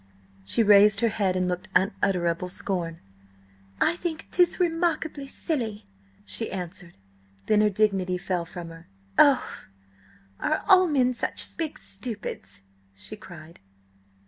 She raised her head and looked unutterable scorn. "I think 'tis remarkable silly," she answered. Then her dignity fell from her. "Oh, are all men such big stupids?" she cried.